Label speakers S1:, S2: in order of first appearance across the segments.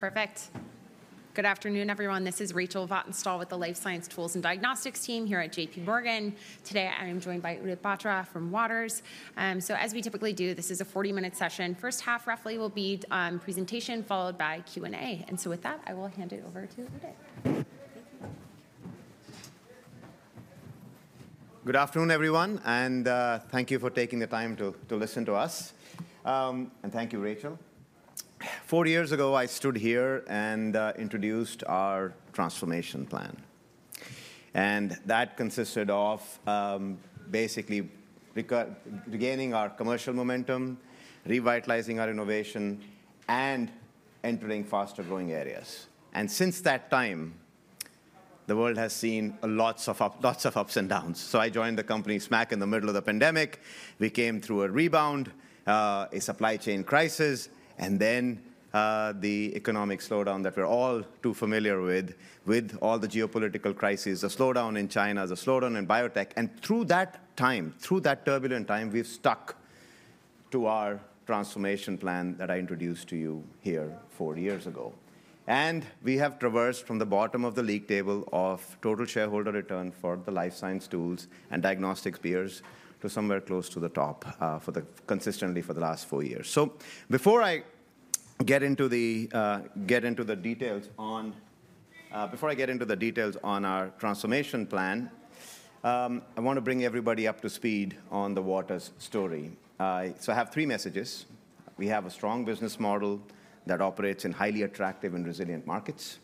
S1: Perfect. Good afternoon, everyone. This is Rachel Vatnsdal with the Life Science Tools and Diagnostics team here at J.P. Morgan. Today, I am joined by Udit Batra from Waters. So, as we typically do, this is a 40-minute session. The first half, roughly, will be a presentation followed by Q&A. And so, with that, I will hand it over to Udit.
S2: Good afternoon, everyone. And thank you for taking the time to listen to us. And thank you, Rachel. Four years ago, I stood here and introduced our transformation plan. And that consisted of basically regaining our commercial momentum, revitalizing our innovation, and entering faster-growing areas. And since that time, the world has seen lots of ups and downs. So, I joined the company smack in the middle of the pandemic. We came through a rebound, a supply chain crisis, and then the economic slowdown that we're all too familiar with, with all the geopolitical crises, the slowdown in China, the slowdown in biotech. And through that time, through that turbulent time, we've stuck to our transformation plan that I introduced to you here four years ago. We have traversed from the bottom of the league table of total shareholder return for the life science tools and diagnostics peers to somewhere close to the top consistently for the last four years. Before I get into the details on our transformation plan, I want to bring everybody up to speed on the Waters story. I have three messages. We have a strong business model that operates in highly attractive and resilient markets.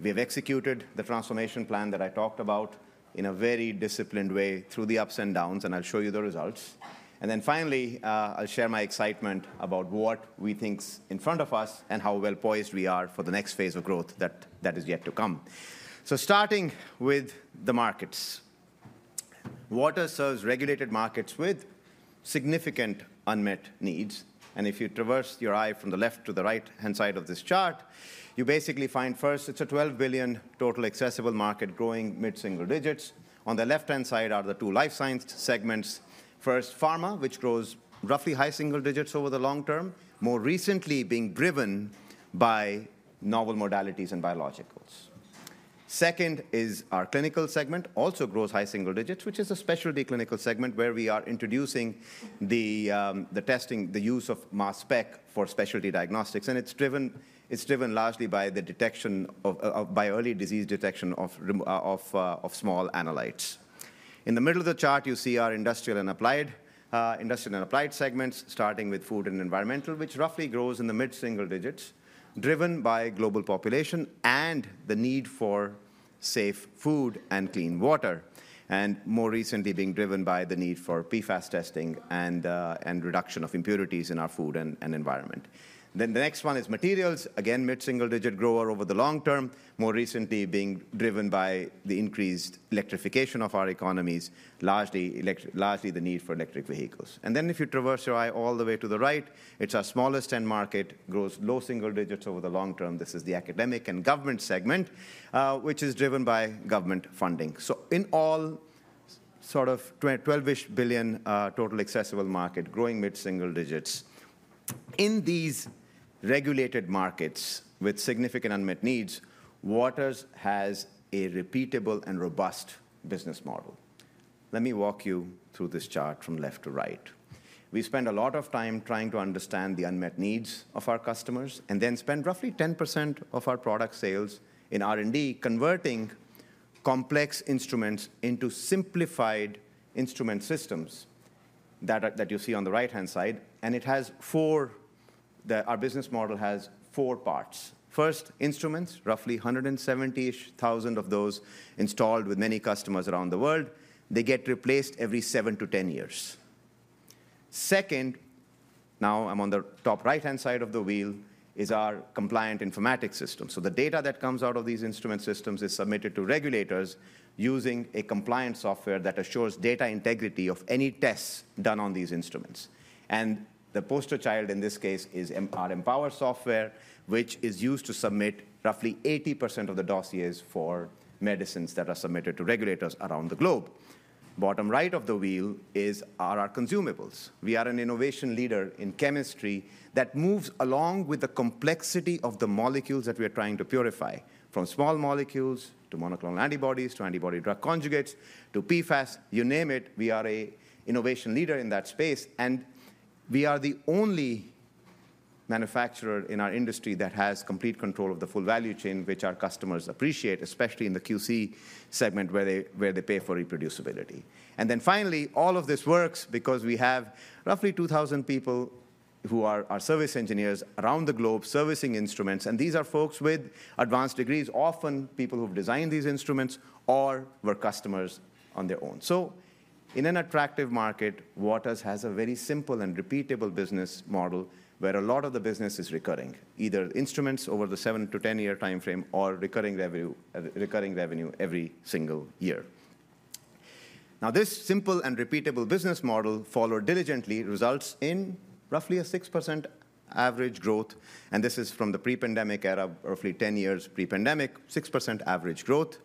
S2: We have executed the transformation plan that I talked about in a very disciplined way through the ups and downs. I'll show you the results. Then, finally, I'll share my excitement about what we think is in front of us and how well-poised we are for the next phase of growth that is yet to come. Starting with the markets, Waters serves regulated markets with significant unmet needs. If you traverse your eye from the left to the right-hand side of this chart, you basically find, first, it's a $12 billion total accessible market growing mid-single-digit %. On the left-hand side are the two life science segments. First, pharma, which grows roughly high-single-digit % over the long term, more recently being driven by novel modalities and biologicals. Second is our clinical segment, also grows high-single-digit %, which is a specialty clinical segment where we are introducing the testing, the use of mass spec for specialty diagnostics. It's driven largely by early disease detection of small analytes. In the middle of the chart, you see our industrial and applied segments, starting with food and environmental, which roughly grows in the mid-single digits, driven by global population and the need for safe food and clean water, and more recently being driven by the need for PFAS testing and reduction of impurities in our food and environment. Then the next one is materials, again, mid-single digit grower over the long term, more recently being driven by the increased electrification of our economies, largely the need for electric vehicles. And then, if you traverse your eye all the way to the right, it's our smallest end market, grows low single digits over the long term. This is the academic and government segment, which is driven by government funding. So, in all, sort of $12 billion total accessible market, growing mid-single digits. In these regulated markets with significant unmet needs, Waters has a repeatable and robust business model. Let me walk you through this chart from left to right. We spend a lot of time trying to understand the unmet needs of our customers and then spend roughly 10% of our product sales in R&D converting complex instruments into simplified instrument systems that you see on the right-hand side. And our business model has four parts. First, instruments, roughly 170,000 of those installed with many customers around the world. They get replaced every 7 to 10 years. Second, now I'm on the top right-hand side of the wheel, is our compliant informatics system. So, the data that comes out of these instrument systems is submitted to regulators using a compliance software that assures data integrity of any tests done on these instruments. The poster child, in this case, is our Empower software, which is used to submit roughly 80% of the dossiers for medicines that are submitted to regulators around the globe. Bottom right of the wheel are our consumables. We are an innovation leader in chemistry that moves along with the complexity of the molecules that we are trying to purify, from small molecules to monoclonal antibodies to antibody-drug conjugates to PFAS. You name it, we are an innovation leader in that space. We are the only manufacturer in our industry that has complete control of the full value chain, which our customers appreciate, especially in the QC segment where they pay for reproducibility. Finally, all of this works because we have roughly 2,000 people who are our service engineers around the globe servicing instruments. These are folks with advanced degrees, often people who've designed these instruments or were customers on their own. In an attractive market, Waters has a very simple and repeatable business model where a lot of the business is recurring, either instruments over the 7-10-year timeframe or recurring revenue every single year. Now, this simple and repeatable business model followed diligently results in roughly a 6% average growth. This is from the pre-pandemic era, roughly 10 years pre-pandemic, 6%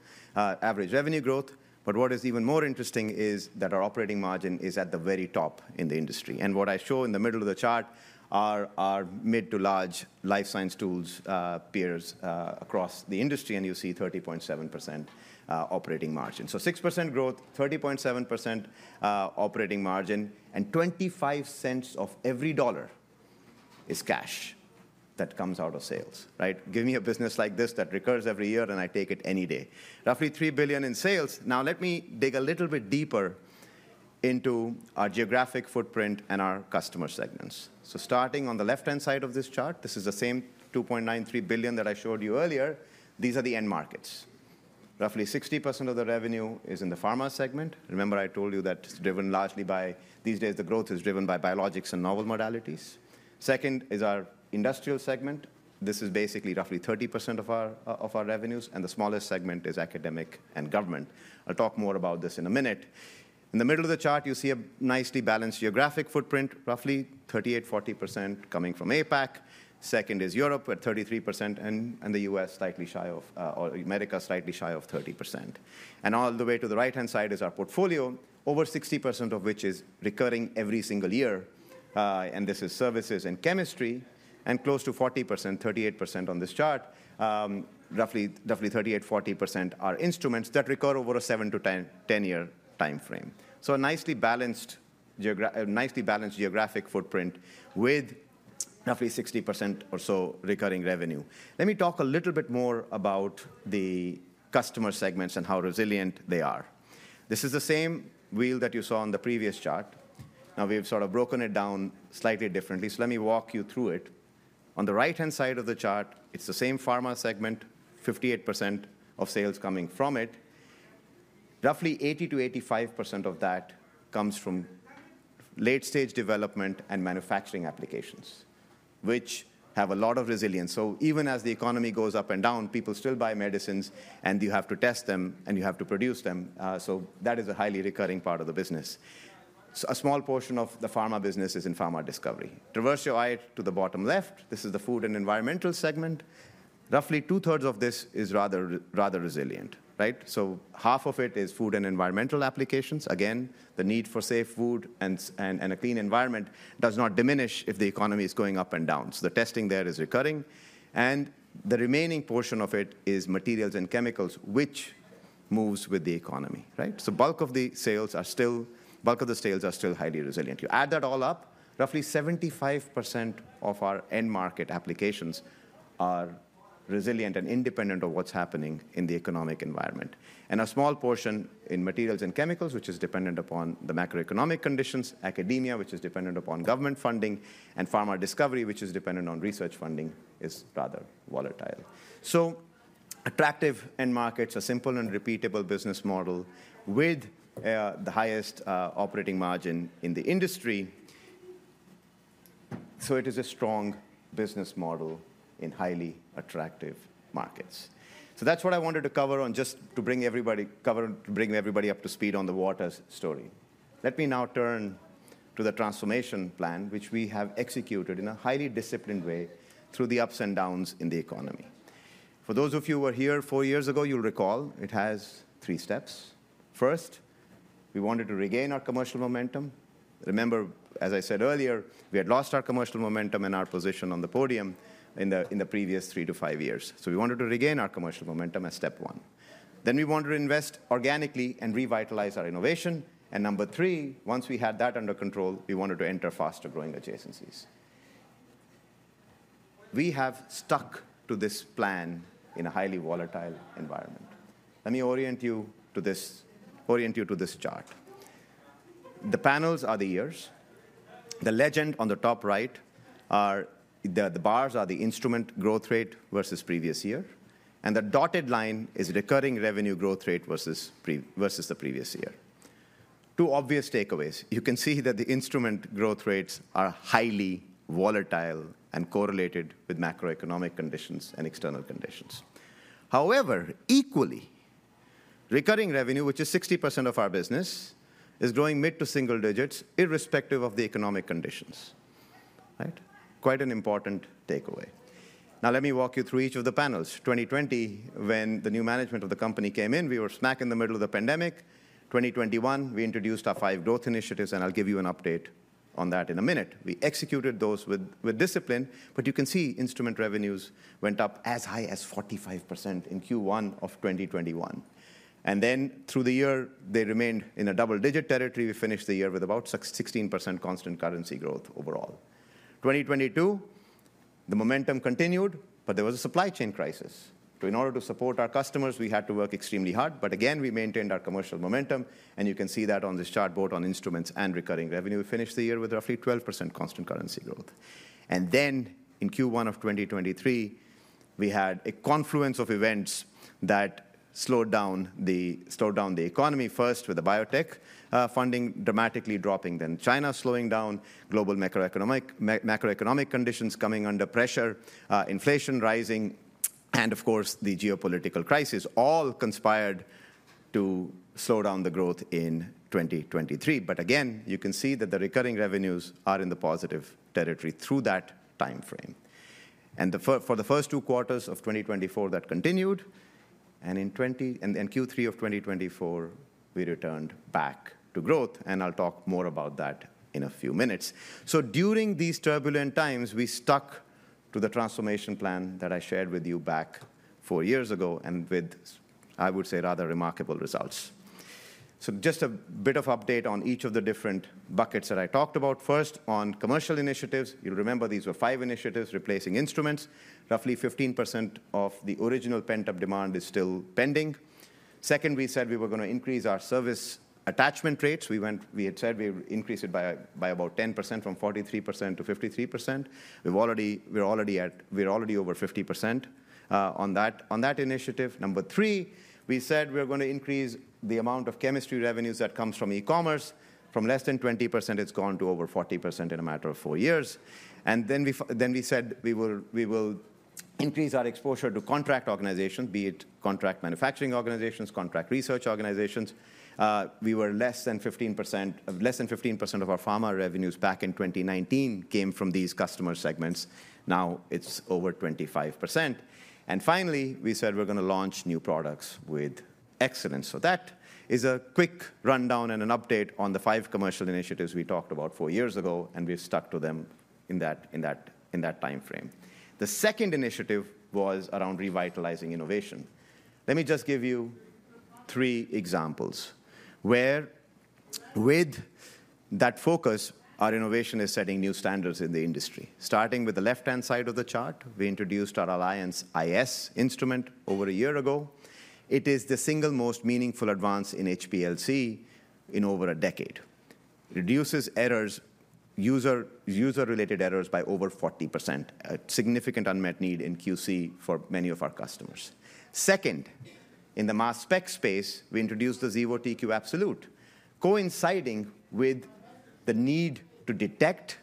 S2: average revenue growth. What is even more interesting is that our operating margin is at the very top in the industry. What I show in the middle of the chart are our mid-to-large life-science tools peers across the industry. You see 30.7% operating margin. So, 6% growth, 30.7% operating margin, and 25 cents of every dollar is cash that comes out of sales. Right? Give me a business like this that recurs every year, and I take it any day. Roughly $3 billion in sales. Now, let me dig a little bit deeper into our geographic footprint and our customer segments. So, starting on the left-hand side of this chart, this is the same $2.93 billion that I showed you earlier. These are the end markets. Roughly 60% of the revenue is in the pharma segment. Remember, I told you that it's driven largely by these days, the growth is driven by biologics and novel modalities. Second is our industrial segment. This is basically roughly 30% of our revenues. And the smallest segment is academic and government. I'll talk more about this in a minute. In the middle of the chart, you see a nicely balanced geographic footprint, roughly 38%-40% coming from APAC. Second is Europe, at 33%, and the U.S., slightly shy of, or America slightly shy of 30%, and all the way to the right-hand side is our portfolio, over 60% of which is recurring every single year, and this is services and chemistry, and close to 40%, 38% on this chart, roughly 38%-40% are instruments that recur over a 7-10-year timeframe, so a nicely balanced geographic footprint with roughly 60% or so recurring revenue. Let me talk a little bit more about the customer segments and how resilient they are. This is the same wheel that you saw on the previous chart. Now, we've sort of broken it down slightly differently, so let me walk you through it. On the right-hand side of the chart, it's the same pharma segment, 58% of sales coming from it. Roughly 80%-85% of that comes from late-stage development and manufacturing applications, which have a lot of resilience. So, even as the economy goes up and down, people still buy medicines, and you have to test them, and you have to produce them. So, that is a highly recurring part of the business. A small portion of the pharma business is in pharma discovery. Traverse your eye to the bottom left. This is the food and environmental segment. Roughly two-thirds of this is rather resilient. Right? So, half of it is food and environmental applications. Again, the need for safe food and a clean environment does not diminish if the economy is going up and down. So, the testing there is recurring. The remaining portion of it is materials and chemicals, which moves with the economy. Right? The bulk of the sales are still highly resilient. You add that all up, roughly 75% of our end market applications are resilient and independent of what's happening in the economic environment. A small portion in materials and chemicals, which is dependent upon the macroeconomic conditions, academia, which is dependent upon government funding, and pharma discovery, which is dependent on research funding, is rather volatile. Attractive end markets, a simple and repeatable business model with the highest operating margin in the industry. It is a strong business model in highly attractive markets. That's what I wanted to cover on just to bring everybody up to speed on the Waters story. Let me now turn to the transformation plan, which we have executed in a highly disciplined way through the ups and downs in the economy. For those of you who were here four years ago, you'll recall it has three steps. First, we wanted to regain our commercial momentum. Remember, as I said earlier, we had lost our commercial momentum and our position on the podium in the previous three to five years. So, we wanted to regain our commercial momentum as step one. Then we wanted to invest organically and revitalize our innovation. And number three, once we had that under control, we wanted to enter faster-growing adjacencies. We have stuck to this plan in a highly volatile environment. Let me orient you to this chart. The panels are the years. The legend on the top right, the bars are the instrument growth rate versus previous year. And the dotted line is recurring revenue growth rate versus the previous year. Two obvious takeaways. You can see that the instrument growth rates are highly volatile and correlated with macroeconomic conditions and external conditions. However, equally, recurring revenue, which is 60% of our business, is growing mid to single digits, irrespective of the economic conditions. Right? Quite an important takeaway. Now, let me walk you through each of the panels. 2020, when the new management of the company came in, we were smack in the middle of the pandemic. 2021, we introduced our five growth initiatives. And I'll give you an update on that in a minute. We executed those with discipline. But you can see instrument revenues went up as high as 45% in Q1 of 2021. And then, through the year, they remained in a double-digit territory. We finished the year with about 16% constant currency growth overall. 2022, the momentum continued, but there was a supply chain crisis. So, in order to support our customers, we had to work extremely hard. But again, we maintained our commercial momentum. And you can see that on this chart both on instruments and recurring revenue. We finished the year with roughly 12% constant currency growth. And then, in Q1 of 2023, we had a confluence of events that slowed down the economy, first with the biotech funding dramatically dropping, then China slowing down, global macroeconomic conditions coming under pressure, inflation rising, and, of course, the geopolitical crisis all conspired to slow down the growth in 2023. But again, you can see that the recurring revenues are in the positive territory through that timeframe. And for the first two quarters of 2024, that continued. And in Q3 of 2024, we returned back to growth. And I'll talk more about that in a few minutes. So, during these turbulent times, we stuck to the transformation plan that I shared with you back four years ago and with, I would say, rather remarkable results. So, just a bit of update on each of the different buckets that I talked about. First, on commercial initiatives, you'll remember these were five initiatives replacing instruments. Roughly 15% of the original pent-up demand is still pending. Second, we said we were going to increase our service attachment rates. We had said we would increase it by about 10% from 43% to 53%. We're already over 50% on that initiative. Number three, we said we were going to increase the amount of chemistry revenues that comes from e-commerce. From less than 20%, it's gone to over 40% in a matter of four years, and then we said we will increase our exposure to contract organizations, be it contract manufacturing organizations, contract research organizations. Less than 15% of our pharma revenues back in 2019 came from these customer segments. Now, it's over 25%, and finally, we said we're going to launch new products with excellence, so that is a quick rundown and an update on the five commercial initiatives we talked about four years ago, and we've stuck to them in that timeframe. The second initiative was around revitalizing innovation. Let me just give you three examples where, with that focus, our innovation is setting new standards in the industry. Starting with the left-hand side of the chart, we introduced our Alliance iS instrument over a year ago. It is the single most meaningful advance in HPLC in over a decade. It reduces user-related errors by over 40%, a significant unmet need in QC for many of our customers. Second, in the mass spec space, we introduced the Xevo TQ Absolute, coinciding with the need to detect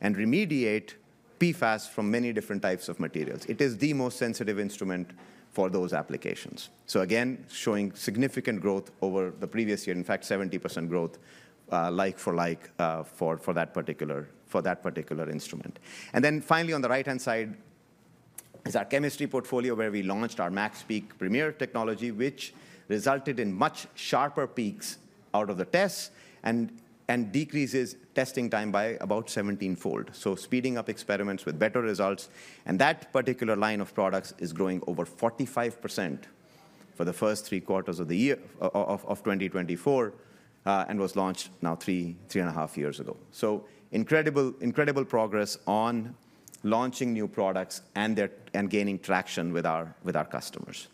S2: and remediate PFAS from many different types of materials. It is the most sensitive instrument for those applications. So, again, showing significant growth over the previous year, in fact, 70% growth like for like for that particular instrument. And then, finally, on the right-hand side is our chemistry portfolio where we launched our MaxPeak Premier technology, which resulted in much sharper peaks out of the tests and decreases testing time by about 17-fold, so speeding up experiments with better results. And that particular line of products is growing over 45% for the first three quarters of the year of 2024 and was launched now three and a half years ago. So, incredible progress on launching new products and gaining traction with our customers.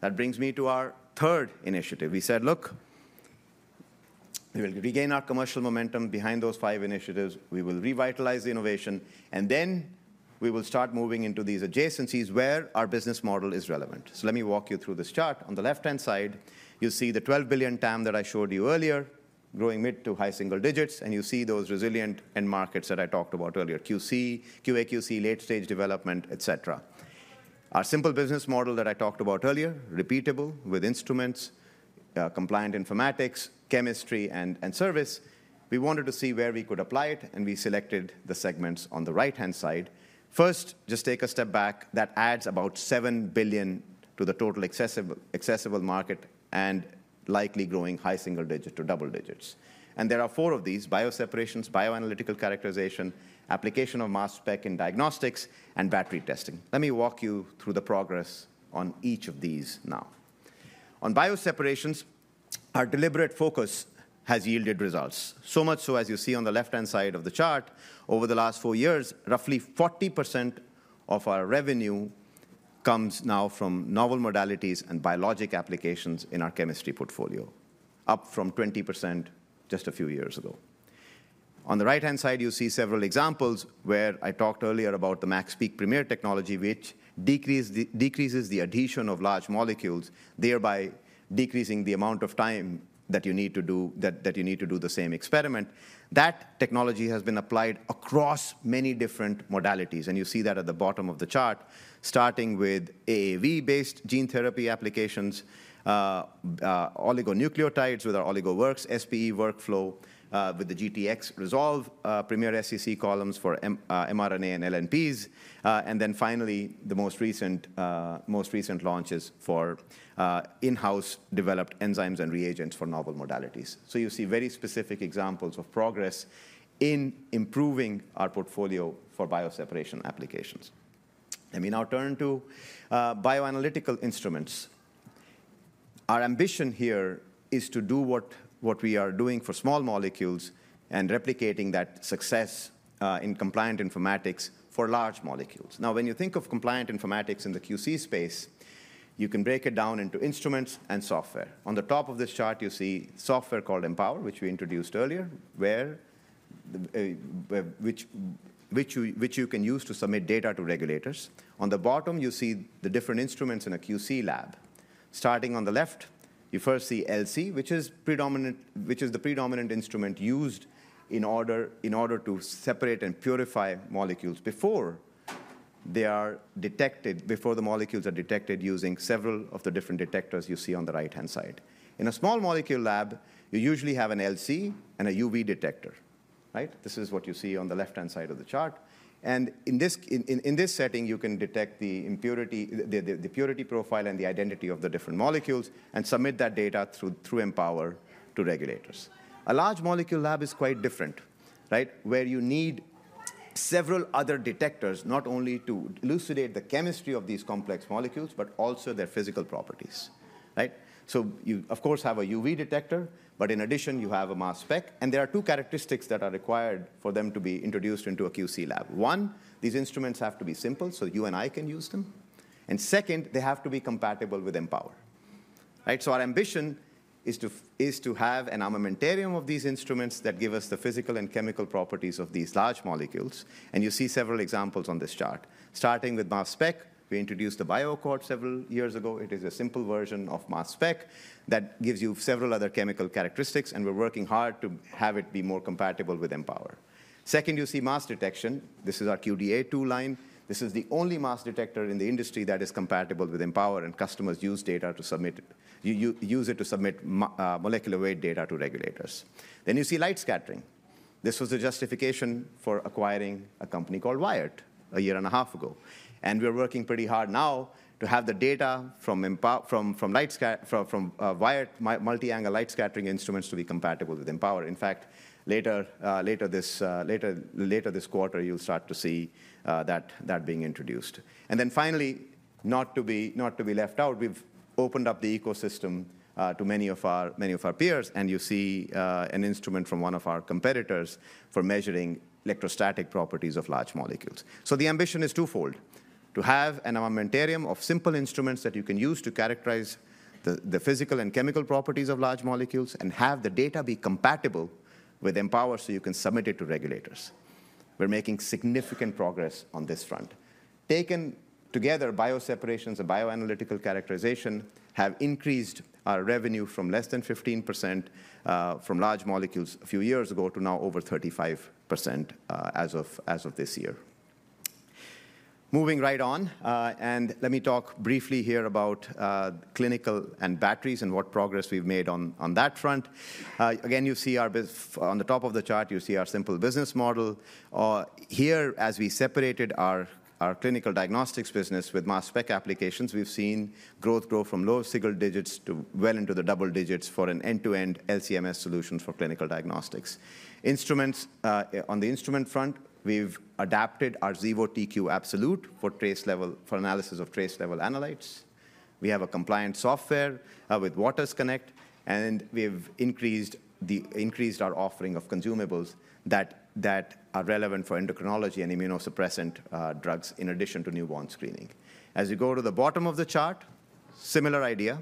S2: That brings me to our third initiative. We said, "Look, we will regain our commercial momentum behind those five initiatives. We will revitalize the innovation. And then we will start moving into these adjacencies where our business model is relevant." So, let me walk you through this chart. On the left-hand side, you'll see the $12 billion TAM that I showed you earlier, growing mid to high single digits. And you see those resilient end markets that I talked about earlier, QA, QC, late-stage development, et cetera. Our simple business model that I talked about earlier, repeatable with instruments, compliant informatics, chemistry, and service, we wanted to see where we could apply it, and we selected the segments on the right-hand side. First, just take a step back. That adds about $7 billion to the total addressable market and likely growing high single digit to double digits, and there are four of these: bioseparations, bioanalytical characterization, application of mass spec in diagnostics, and battery testing. Let me walk you through the progress on each of these now. On bioseparations, our deliberate focus has yielded results, so much so, as you see on the left-hand side of the chart, over the last four years, roughly 40% of our revenue comes now from novel modalities and biologic applications in our chemistry portfolio, up from 20% just a few years ago. On the right-hand side, you see several examples where I talked earlier about the MaxPeak Premier technology, which decreases the adsorption of large molecules, thereby decreasing the amount of time that you need to do the same experiment. That technology has been applied across many different modalities, and you see that at the bottom of the chart, starting with AAV-based gene therapy applications, oligonucleotides with our OligoWorks SPE workflow with the GTxResolve Premier SEC columns for mRNA and LNPs, and then, finally, the most recent launches for in-house developed enzymes and reagents for novel modalities, so you see very specific examples of progress in improving our portfolio for bioseparation applications. Let me now turn to bioanalytical instruments. Our ambition here is to do what we are doing for small molecules and replicating that success in compliant informatics for large molecules. Now, when you think of compliant informatics in the QC space, you can break it down into instruments and software. On the top of this chart, you see software called Empower, which we introduced earlier, which you can use to submit data to regulators. On the bottom, you see the different instruments in a QC lab. Starting on the left, you first see LC, which is the predominant instrument used in order to separate and purify molecules before they are detected, before the molecules are detected using several of the different detectors you see on the right-hand side. In a small molecule lab, you usually have an LC and a UV detector. Right? This is what you see on the left-hand side of the chart. And in this setting, you can detect the purity profile and the identity of the different molecules and submit that data through Empower to regulators. A large molecule lab is quite different, right, where you need several other detectors, not only to elucidate the chemistry of these complex molecules, but also their physical properties. Right? So, you, of course, have a UV detector. But in addition, you have a mass spec. And there are two characteristics that are required for them to be introduced into a QC lab. One, these instruments have to be simple so you and I can use them. And second, they have to be compatible with Empower. Right? So, our ambition is to have an armamentarium of these instruments that give us the physical and chemical properties of these large molecules. And you see several examples on this chart. Starting with mass spec, we introduced the BioAccord several years ago. It is a simple version of mass spec that gives you several other chemical characteristics. We're working hard to have it be more compatible with Empower. Second, you see mass detection. This is our QDa II line. This is the only mass detector in the industry that is compatible with Empower. And customers use data to submit, use it to submit molecular weight data to regulators. Then you see light scattering. This was the justification for acquiring a company called Wyatt a year and a half ago. And we're working pretty hard now to have the data from Wyatt multi-angle light scattering instruments to be compatible with Empower. In fact, later this quarter, you'll start to see that being introduced. And then, finally, not to be left out, we've opened up the ecosystem to many of our peers. And you see an instrument from one of our competitors for measuring electrostatic properties of large molecules. So, the ambition is twofold: to have an armamentarium of simple instruments that you can use to characterize the physical and chemical properties of large molecules and have the data be compatible with Empower so you can submit it to regulators. We're making significant progress on this front. Taken together, bioseparations and bioanalytical characterization have increased our revenue from less than 15% from large molecules a few years ago to now over 35% as of this year. Moving right on, and let me talk briefly here about clinical and batteries and what progress we've made on that front. Again, you see our business on the top of the chart, you see our simple business model. Here, as we separated our clinical diagnostics business with mass spec applications, we've seen growth go from low single digits to well into the double digits for an end-to-end LCMS solution for clinical diagnostics. On the instrument front, we've adapted our Xevo TQ Absolute for analysis of trace-level analytes. We have a compliant software with Waters Connect and we've increased our offering of consumables that are relevant for endocrinology and immunosuppressant drugs in addition to newborn screening. As you go to the bottom of the chart, similar idea,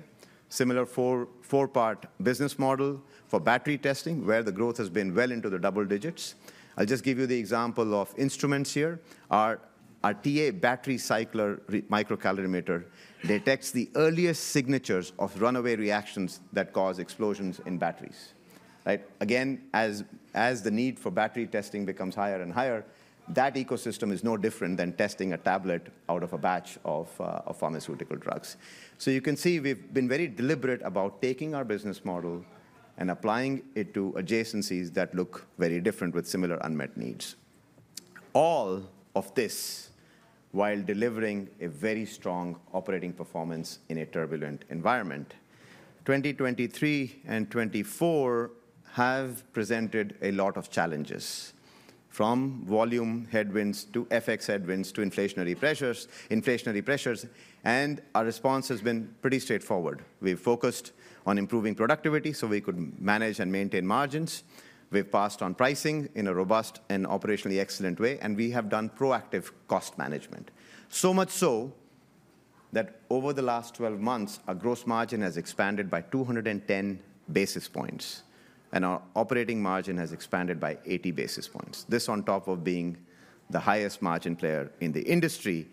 S2: similar four-part business model for battery testing where the growth has been well into the double digits. I'll just give you the example of instruments here. Our TA Battery Cycler Microcalorimeter detects the earliest signatures of runaway reactions that cause explosions in batteries. Right? Again, as the need for battery testing becomes higher and higher, that ecosystem is no different than testing a tablet out of a batch of pharmaceutical drugs. So, you can see we've been very deliberate about taking our business model and applying it to adjacencies that look very different with similar unmet needs, all of this while delivering a very strong operating performance in a turbulent environment. 2023 and 2024 have presented a lot of challenges, from volume headwinds to FX headwinds to inflationary pressures. And our response has been pretty straightforward. We've focused on improving productivity so we could manage and maintain margins. We've passed on pricing in a robust and operationally excellent way. And we have done proactive cost management, so much so that over the last 12 months, our gross margin has expanded by 210 basis points. And our operating margin has expanded by 80 basis points, this on top of being the highest margin player in the industry.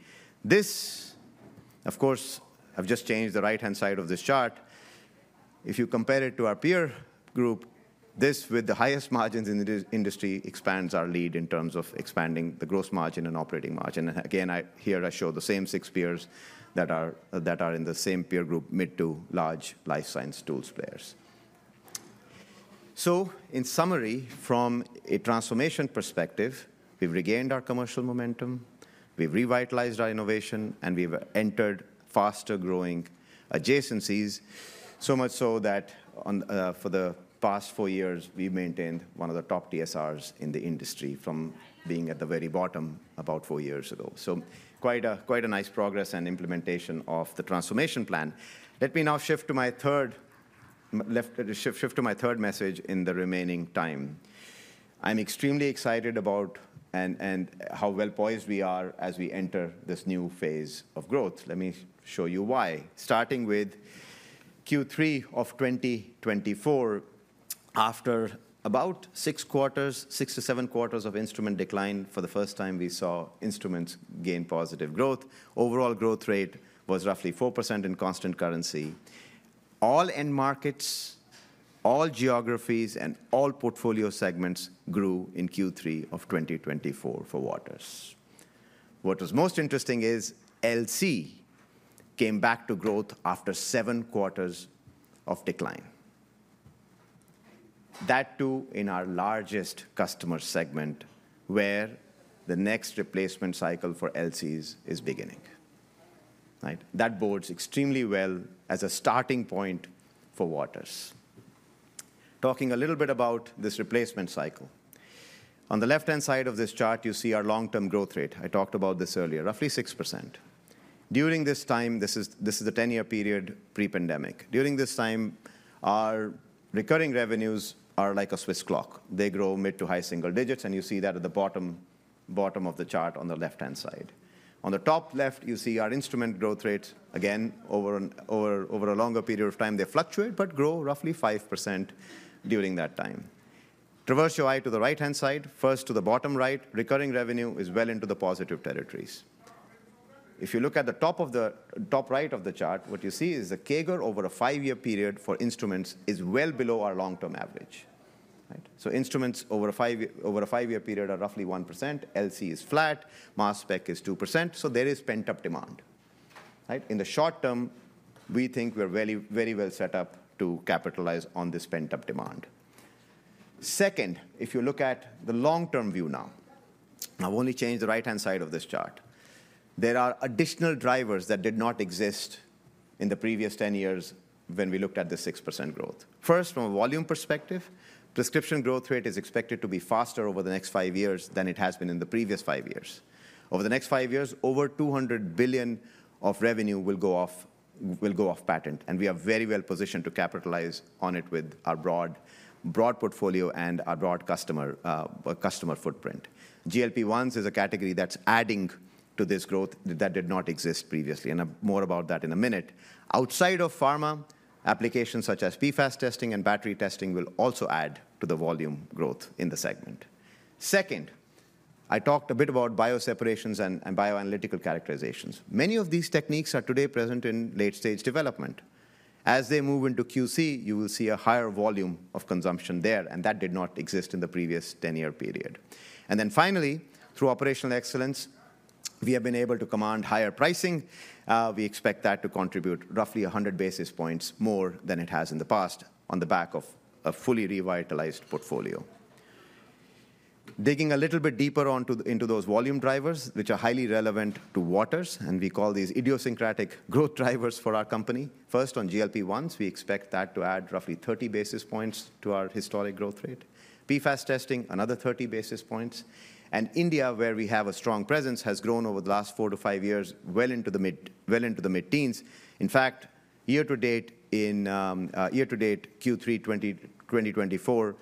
S2: This, of course, I've just changed the right-hand side of this chart. If you compare it to our peer group, this with the highest margins in the industry expands our lead in terms of expanding the gross margin and operating margin, and again, here I show the same six peers that are in the same peer group, mid to large life science tools players. So, in summary, from a transformation perspective, we've regained our commercial momentum. We've revitalized our innovation. And we've entered faster-growing adjacencies, so much so that for the past four years, we've maintained one of the top TSRs in the industry from being at the very bottom about four years ago. So, quite a nice progress and implementation of the transformation plan. Let me now shift to my third message in the remaining time. I'm extremely excited about and how well poised we are as we enter this new phase of growth. Let me show you why. Starting with Q3 of 2024, after about six quarters, six to seven quarters of instrument decline, for the first time we saw instruments gain positive growth. Overall growth rate was roughly 4% in constant currency. All end markets, all geographies, and all portfolio segments grew in Q3 of 2024 for Waters. What was most interesting is LC came back to growth after seven quarters of decline. That too in our largest customer segment, where the next replacement cycle for LCs is beginning. Right? That bodes extremely well as a starting point for Waters. Talking a little bit about this replacement cycle, on the left-hand side of this chart, you see our long-term growth rate. I talked about this earlier, roughly 6%. During this time, this is the 10-year period pre-pandemic. During this time, our recurring revenues are like a Swiss clock. They grow mid to high single digits. And you see that at the bottom of the chart on the left-hand side. On the top left, you see our instrument growth rate. Again, over a longer period of time, they fluctuate but grow roughly 5% during that time. Traverse your eye to the right-hand side. First to the bottom right, recurring revenue is well into the positive territories. If you look at the top right of the chart, what you see is the CAGR over a five-year period for instruments is well below our long-term average. Right? So, instruments over a five-year period are roughly 1%. LC is flat. Mass spec is 2%. So, there is pent-up demand. Right? In the short term, we think we're very well set up to capitalize on this pent-up demand. Second, if you look at the long-term view now, I've only changed the right-hand side of this chart. There are additional drivers that did not exist in the previous 10 years when we looked at the 6% growth. First, from a volume perspective, prescription growth rate is expected to be faster over the next five years than it has been in the previous five years. Over the next five years, over $200 billion of revenue will go off patent. And we are very well positioned to capitalize on it with our broad portfolio and our broad customer footprint. GLP-1s is a category that's adding to this growth that did not exist previously. And more about that in a minute. Outside of pharma, applications such as PFAS testing and battery testing will also add to the volume growth in the segment. Second, I talked a bit about bioseparations and bioanalytical characterizations. Many of these techniques are today present in late-stage development. As they move into QC, you will see a higher volume of consumption there. And that did not exist in the previous 10-year period. And then, finally, through operational excellence, we have been able to command higher pricing. We expect that to contribute roughly 100 basis points more than it has in the past on the back of a fully revitalized portfolio. Digging a little bit deeper onto those volume drivers, which are highly relevant to Waters. And we call these idiosyncratic growth drivers for our company. First, on GLP-1s, we expect that to add roughly 30 basis points to our historic growth rate. PFAS testing, another 30 basis points. And India, where we have a strong presence, has grown over the last four to five years well into the mid-teens. In fact, year to date, in year to date Q3 2024,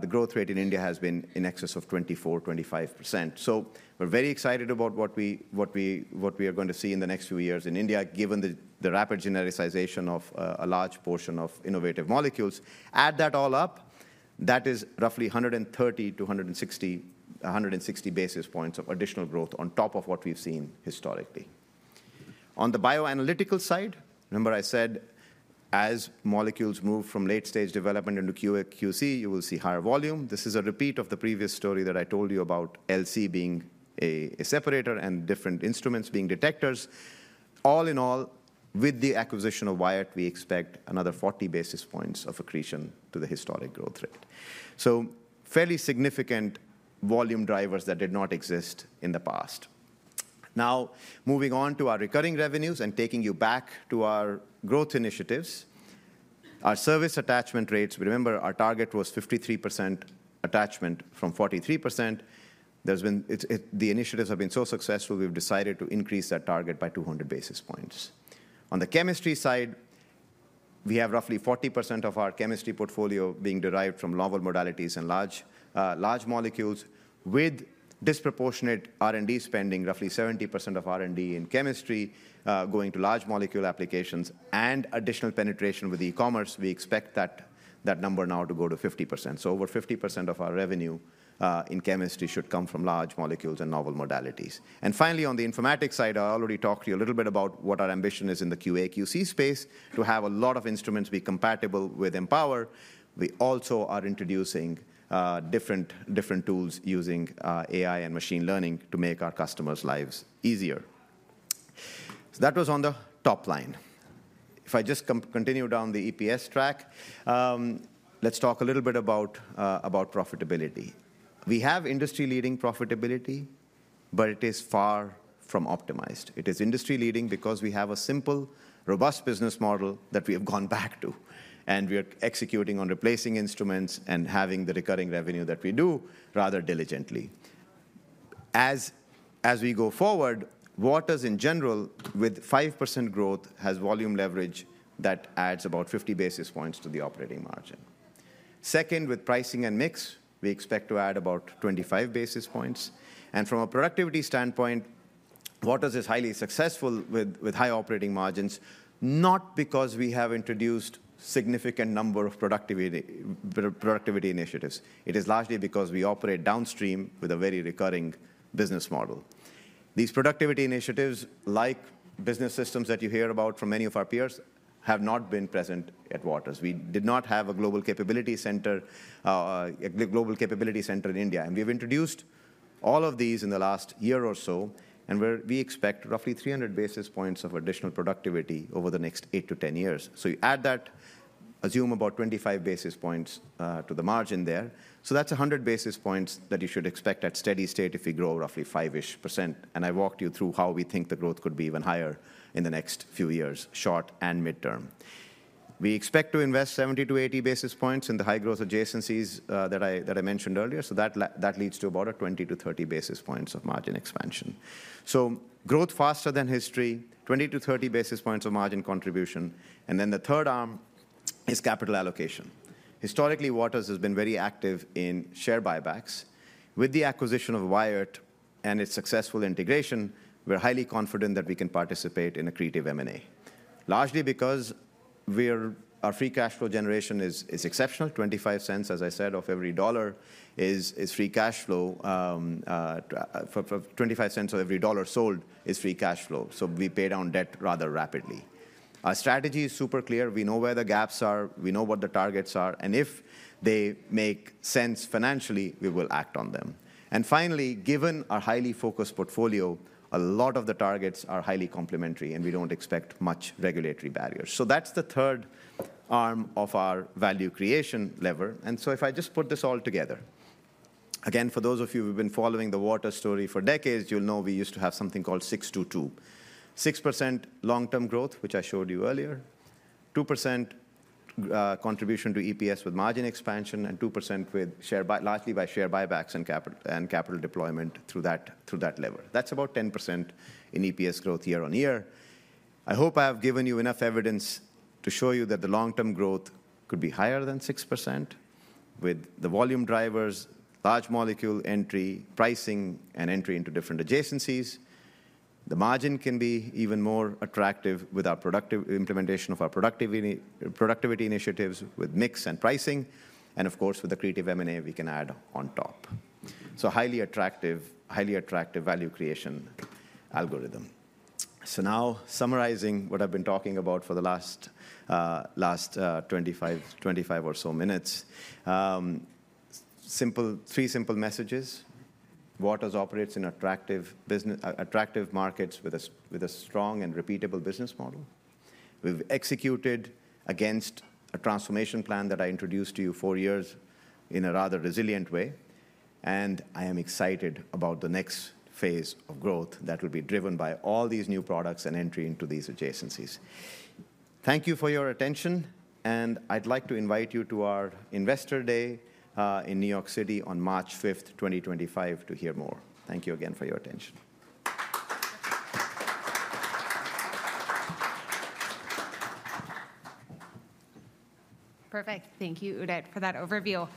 S2: the growth rate in India has been in excess of 24%, 25%. So, we're very excited about what we are going to see in the next few years in India, given the rapid genericization of a large portion of innovative molecules. Add that all up, that is roughly 130 to 160 basis points of additional growth on top of what we've seen historically. On the bioanalytical side, remember I said as molecules move from late-stage development into QC, you will see higher volume. This is a repeat of the previous story that I told you about LC being a separator and different instruments being detectors. All in all, with the acquisition of Wyatt, we expect another 40 basis points of accretion to the historic growth rate. So, fairly significant volume drivers that did not exist in the past. Now, moving on to our recurring revenues and taking you back to our growth initiatives, our service attachment rates, remember our target was 53% attachment from 43%. The initiatives have been so successful, we've decided to increase that target by 200 basis points. On the chemistry side, we have roughly 40% of our chemistry portfolio being derived from novel modalities and large molecules with disproportionate R&D spending, roughly 70% of R&D in chemistry going to large molecule applications and additional penetration with e-commerce. We expect that number now to go to 50%. So, over 50% of our revenue in chemistry should come from large molecules and novel modalities. And finally, on the informatics side, I already talked to you a little bit about what our ambition is in the QA/QC space to have a lot of instruments be compatible with Empower. We also are introducing different tools using AI and machine learning to make our customers' lives easier. So, that was on the top line. If I just continue down the EPS track, let's talk a little bit about profitability. We have industry-leading profitability, but it is far from optimized. It is industry-leading because we have a simple, robust business model that we have gone back to. And we are executing on replacing instruments and having the recurring revenue that we do rather diligently. As we go forward, Waters in general, with 5% growth, has volume leverage that adds about 50 basis points to the operating margin. Second, with pricing and mix, we expect to add about 25 basis points. And from a productivity standpoint, Waters is highly successful with high operating margins, not because we have introduced a significant number of productivity initiatives. It is largely because we operate downstream with a very recurring business model. These productivity initiatives, like business systems that you hear about from many of our peers, have not been present at Waters. We did not have a global capability center, a global capability center in India. And we have introduced all of these in the last year or so. And we expect roughly 300 basis points of additional productivity over the next eight to 10 years. So, you add that, assume about 25 basis points to the margin there. So, that's 100 basis points that you should expect at steady state if we grow roughly five-ish%. And I walked you through how we think the growth could be even higher in the next few years, short and midterm. We expect to invest 70 to 80 basis points in the high growth adjacencies that I mentioned earlier. So, that leads to about 20-30 basis points of margin expansion. So, growth faster than history, 20-30 basis points of margin contribution. And then the third arm is capital allocation. Historically, Waters has been very active in share buybacks. With the acquisition of Wyatt and its successful integration, we're highly confident that we can participate in accretive M&A, largely because our free cash flow generation is exceptional. $0.25, as I said, of every dollar is free cash flow. $0.25 of every dollar sold is free cash flow. So, we pay down debt rather rapidly. Our strategy is super clear. We know where the gaps are. We know what the targets are. And if they make sense financially, we will act on them. And finally, given our highly focused portfolio, a lot of the targets are highly complementary. And we don't expect much regulatory barriers. So, that's the third arm of our value creation lever. And so, if I just put this all together, again, for those of you who've been following the Waters story for decades, you'll know we used to have something called 6-2-2, 6% long-term growth, which I showed you earlier, 2% contribution to EPS with margin expansion, and 2% largely by share buybacks and capital deployment through that lever. That's about 10% in EPS growth year on year. I hope I have given you enough evidence to show you that the long-term growth could be higher than 6% with the volume drivers, large molecule entry, pricing, and entry into different adjacencies. The margin can be even more attractive with our productive implementation of our productivity initiatives with mix and pricing. And of course, with the creative M&A, we can add on top. So, highly attractive value creation algorithm. So, now summarizing what I've been talking about for the last 25 or so minutes, three simple messages. Waters operates in attractive markets with a strong and repeatable business model. We've executed against a transformation plan that I introduced to you four years in a rather resilient way. And I am excited about the next phase of growth that will be driven by all these new products and entry into these adjacencies. Thank you for your attention. And I'd like to invite you to our Investor Day in New York City on March 5, 2025, to hear more. Thank you again for your attention.
S1: Perfect. Thank you, Udit, for that overview.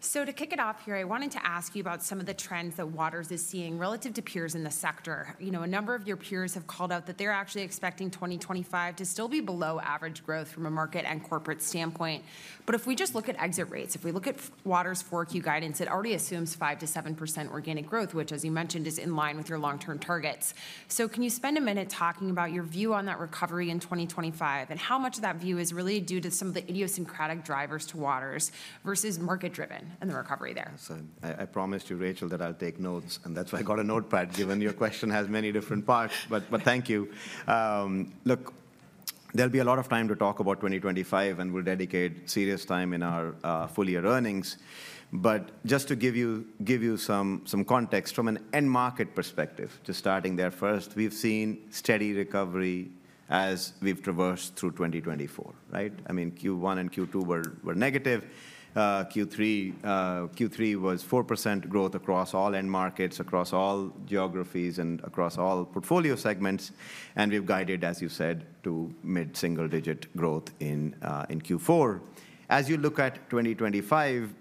S1: So, to kick it off here, I wanted to ask you about some of the trends that Waters is seeing relative to peers in the sector. A number of your peers have called out that they're actually expecting 2025 to still be below average growth from a market and corporate standpoint. But if we just look at exit rates, if we look at Waters' 4Q guidance, it already assumes 5%-7% organic growth, which, as you mentioned, is in line with your long-term targets. So, can you spend a minute talking about your view on that recovery in 2025 and how much of that view is really due to some of the idiosyncratic drivers to Waters versus market-driven in the recovery there?
S3: So, I promised you, Rachel, that I'll take notes. And that's why I got a notepad given your question has many different parts. But thank you. Look, there'll be a lot of time to talk about 2025. And we'll dedicate serious time in our full-year earnings. But just to give you some context from an end market perspective, just starting there first, we've seen steady recovery as we've traversed through 2024. Right? I mean, Q1 and Q2 were negative. Q3 was 4% growth across all end markets, across all geographies, and across all portfolio segments. And we've guided, as you said, to mid-single-digit growth in Q4. As you look at 2025,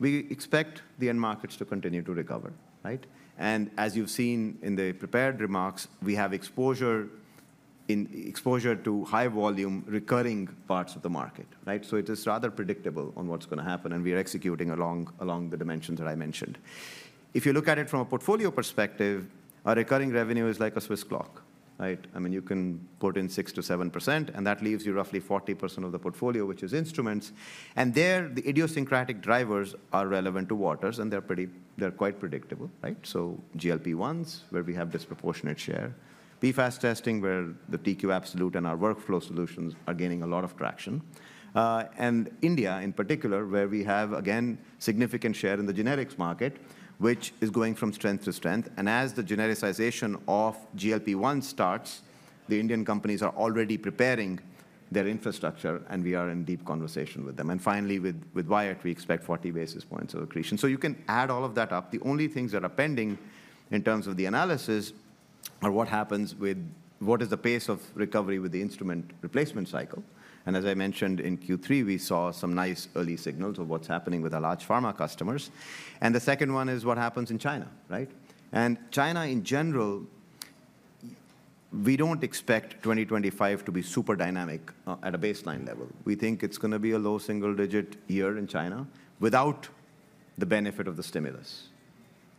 S3: we expect the end markets to continue to recover. Right? And as you've seen in the prepared remarks, we have exposure to high volume recurring parts of the market. Right? It is rather predictable on what's going to happen. We are executing along the dimensions that I mentioned. If you look at it from a portfolio perspective, our recurring revenue is like a Swiss clock. Right? I mean, you can put in 6%-7%. That leaves you roughly 40% of the portfolio, which is instruments. There, the idiosyncratic drivers are relevant to Waters. They're quite predictable. Right? GLP-1s, where we have disproportionate share, PFAS testing, where the TQ Absolute and our workflow solutions are gaining a lot of traction. India, in particular, where we have, again, significant share in the generics market, which is going from strength to strength. As the genericization of GLP-1 starts, the Indian companies are already preparing their infrastructure. We are in deep conversation with them. And finally, with Wyatt, we expect 40 basis points of accretion. So, you can add all of that up. The only things that are pending in terms of the analysis are what is the pace of recovery with the instrument replacement cycle. And as I mentioned, in Q3, we saw some nice early signals of what's happening with our large pharma customers. And the second one is what happens in China. Right? And China, in general, we don't expect 2025 to be super dynamic at a baseline level. We think it's going to be a low single-digit year in China without the benefit of the stimulus.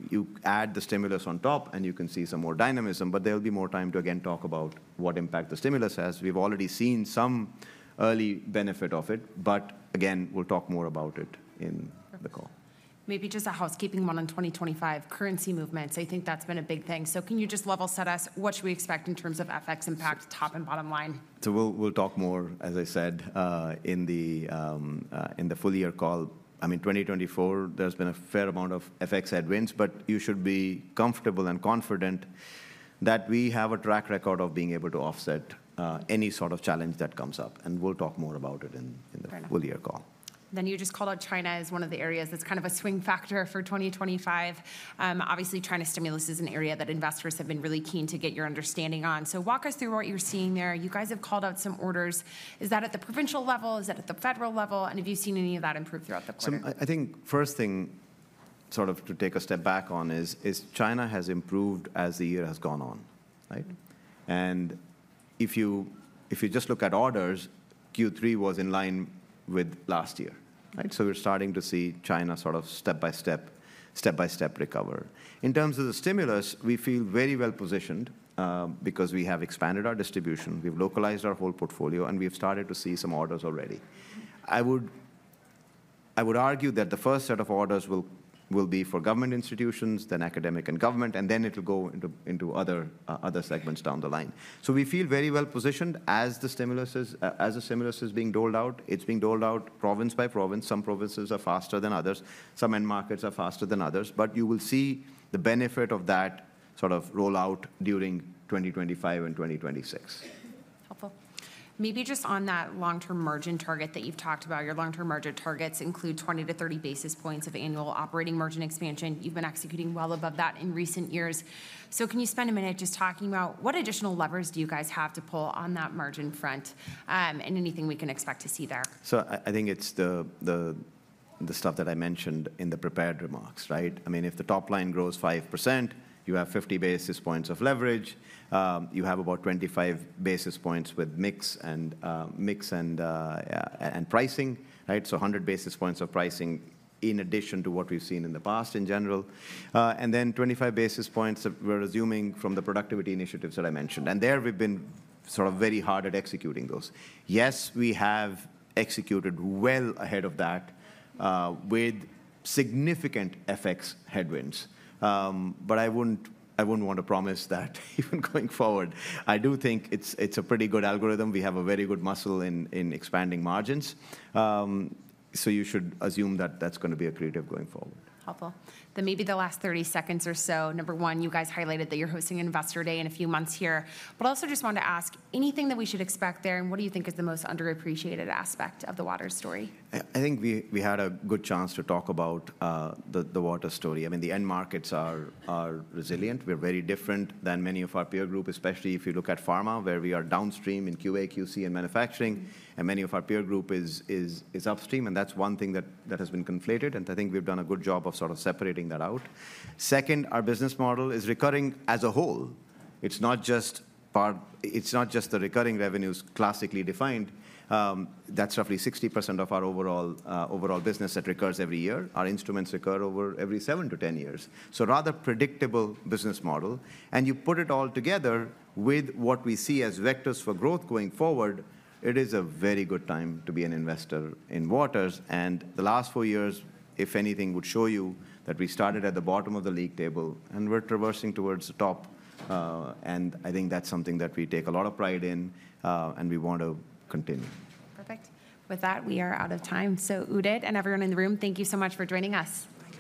S3: You add the stimulus on top, and you can see some more dynamism. But there'll be more time to again talk about what impact the stimulus has. We've already seen some early benefit of it. But again, we'll talk more about it in the call.
S1: Maybe just a housekeeping one on 2025 currency movements. I think that's been a big thing. So, can you just level set us? What should we expect in terms of FX impact, top and bottom line?
S3: So, we'll talk more, as I said, in the full-year call. I mean, 2024, there's been a fair amount of FX headwinds. But you should be comfortable and confident that we have a track record of being able to offset any sort of challenge that comes up. And we'll talk more about it in the full-year call.
S1: Then you just called out China as one of the areas that's kind of a swing factor for 2025. Obviously, China stimulus is an area that investors have been really keen to get your understanding on. So, walk us through what you're seeing there. You guys have called out some orders. Is that at the provincial level? Is that at the federal level? And have you seen any of that improve throughout the quarter?
S3: So, I think first thing sort of to take a step back on is China has improved as the year has gone on. Right? And if you just look at orders, Q3 was in line with last year. Right? So, we're starting to see China sort of step by step recover. In terms of the stimulus, we feel very well positioned because we have expanded our distribution. We've localized our whole portfolio. And we've started to see some orders already. I would argue that the first set of orders will be for government institutions, then academic and government. And then it'll go into other segments down the line. So, we feel very well positioned as the stimulus is being doled out. It's being doled out province by province. Some provinces are faster than others. Some end markets are faster than others. But you will see the benefit of that sort of rollout during 2025 and 2026.
S1: Helpful. Maybe just on that long-term margin target that you've talked about. Your long-term margin targets include 20-30 basis points of annual operating margin expansion. You've been executing well above that in recent years. So, can you spend a minute just talking about what additional levers do you guys have to pull on that margin front and anything we can expect to see there?
S3: So, I think it's the stuff that I mentioned in the prepared remarks. Right? I mean, if the top line grows 5%, you have 50 basis points of leverage. You have about 25 basis points with mix and pricing. Right? So, 100 basis points of pricing in addition to what we've seen in the past in general. And then 25 basis points that we're assuming from the productivity initiatives that I mentioned. And there, we've been sort of very hard at executing those. Yes, we have executed well ahead of that with significant FX headwinds. But I wouldn't want to promise that even going forward. I do think it's a pretty good algorithm. We have a very good muscle in expanding margins. So, you should assume that that's going to be a creative going forward.
S1: Helpful. Then maybe the last 30 seconds or so. Number one, you guys highlighted that you're hosting Investor Day in a few months here. But I also just wanted to ask, anything that we should expect there? And what do you think is the most underappreciated aspect of the Waters story?
S3: I think we had a good chance to talk about the Waters story. I mean, the end markets are resilient. We're very different than many of our peer group, especially if you look at pharma, where we are downstream in QA, QC, and manufacturing. And many of our peer group is upstream. And that's one thing that has been conflated. And I think we've done a good job of sort of separating that out. Second, our business model is recurring as a whole. It's not just the recurring revenues classically defined. That's roughly 60% of our overall business that recurs every year. Our instruments recur over every 7-10 years. So, rather predictable business model. And you put it all together with what we see as vectors for growth going forward, it is a very good time to be an investor in Waters. And the last four years, if anything, would show you that we started at the bottom of the league table. And we're traversing towards the top. And I think that's something that we take a lot of pride in. And we want to continue.
S1: Perfect. With that, we are out of time. So, Udit and everyone in the room, thank you so much for joining us.